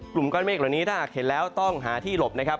กลุ่มก้อนเมฆเหล่านี้ถ้าหากเห็นแล้วต้องหาที่หลบนะครับ